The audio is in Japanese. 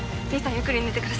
ゆっくり抜いてください